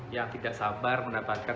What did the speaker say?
yang tidak sabar mendapatkan